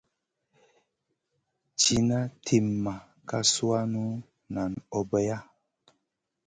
Cina timma ka suanu nen hobeya.